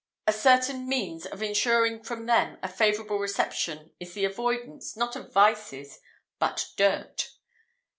A certain means of ensuring from them a favourable reception is the avoidance, not of vices, but dirt."